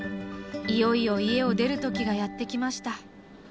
いよいよ家を出る時がやって来ました。